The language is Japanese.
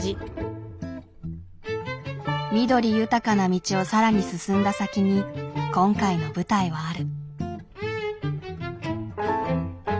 緑豊かな道をさらに進んだ先に今回の舞台はある。